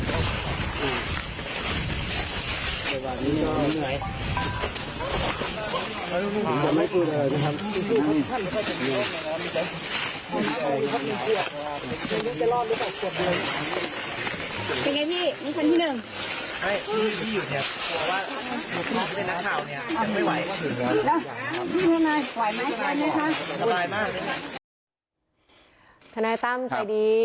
แล้วท่านแนวนายไหวไหมไหวไหมคะสบายมากเลยค่ะท่านแนวนายตั้มใจดี